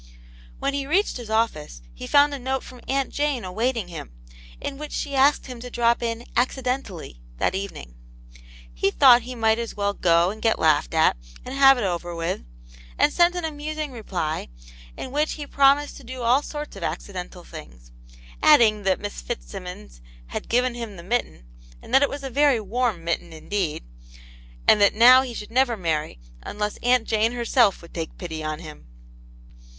When he reached his office he found a note from Aunt Jane awaiting him, in which she asked him to drop in "accidentally" that evening. He thought he might as well go and get laughed at, and have it over with, and sent an amusing reply, in which he promised to do all sorts of accidental things, adding that Miss Fitzsimmons had given him the mitten, and that it was a very warm mitten indeed, and that now he should never marry unless Aunt Jane herself would take pity on him.